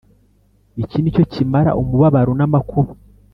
Iki nicyo kimara umubabaro namakuba